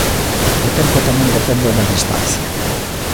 O tempo tamén depende da distancia.